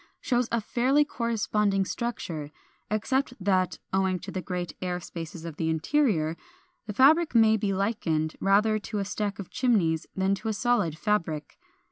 440) shows a fairly corresponding structure; except that, owing to the great air spaces of the interior, the fabric may be likened rather to a stack of chimneys than to a solid fabric.